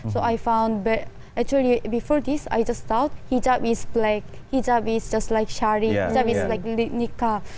sebelum ini saya merasa hijab itu berwarna hitam seperti shari seperti nikah